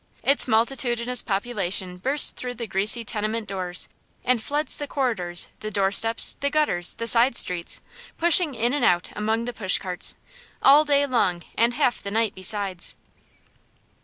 Its multitudinous population bursts through the greasy tenement doors, and floods the corridors, the doorsteps, the gutters, the side streets, pushing in and out among the pushcarts, all day long and half the night besides.